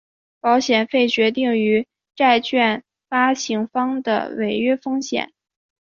保险费决定于债券发行方的违约风险。